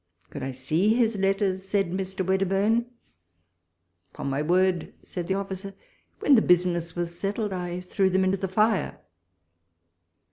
"—" Could I see his letters?" said Mr. Wedderburne.— "Upon my word," said the officer, "when the business was settled, I threw them into the fire."